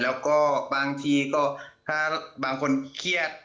แล้วก็บางทีก็ถ้าบางคนเครียด